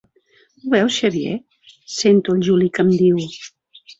Ho veus, Xavier? —sento el Juli que em diu—.